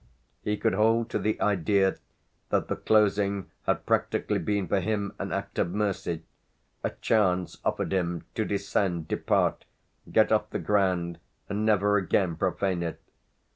He could hold to the idea that the closing had practically been for him an act of mercy, a chance offered him to descend, depart, get off the ground and never again profane it.